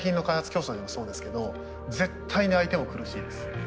競争でもそうですけど絶対に相手も苦しいです。